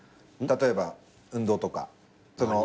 例えば運動とか。